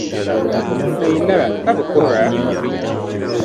Ka yi lara, ka bi kuhira?